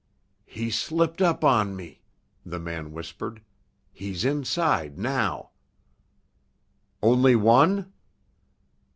"He slipped up on me," the man whispered. "He's inside now." "Only one?"